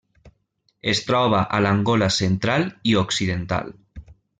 Es troba a l'Angola central i occidental.